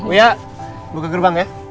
uya buka gerbang ya